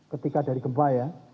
ketika dari gempa ya